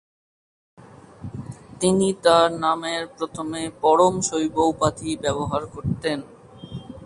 তিনি তার নামের প্রথমে পরম শৈব উপাধি ব্যবহার করতেন।